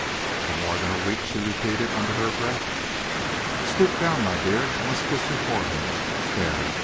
"For more than a week," she repeated, under her breath. "Stoop down, my dear. I must kiss your forehead there!